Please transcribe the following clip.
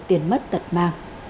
tiền mất cật ma